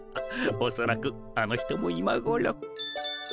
おそらくあの人もいまごろ。